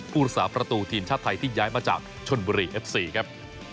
รักษาประตูทีมชาติไทยที่ย้ายมาจากชนบุรีเอฟซีครับ